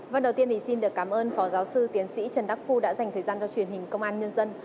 và đầu tiên thì xin được cảm ơn phó giáo sư tiến sĩ trần đắc phu đã dành thời gian cho truyền hình công an nhân dân